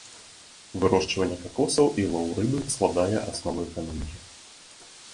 Вырошчванне какосаў і лоў рыбы складае аснову эканомікі.